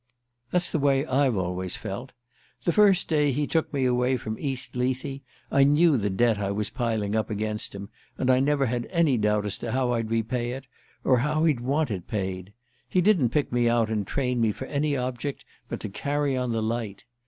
"That's the way I've always felt. The first day he took me away from East Lethe I knew the debt I was piling up against him, and I never had any doubt as to how I'd pay it, or how he'd want it paid. He didn't pick me out and train me for any object but to carry on the light.